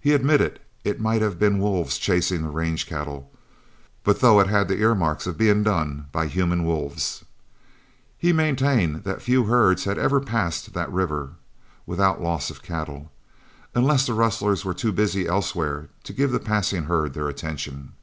He admitted it might have been wolves chasing the range cattle, but thought it had the earmarks of being done by human wolves. He maintained that few herds had ever passed that river without loss of cattle, unless the rustlers were too busy elsewhere to give the passing herd their attention.